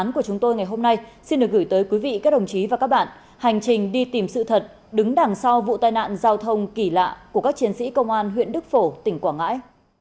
các đồng chí và các bạn hành trình đi tìm sự thật đứng đằng sau vụ tai nạn giao thông kỳ lạ của các chiến sĩ công an huyện đức phổ tỉnh quảng ngãi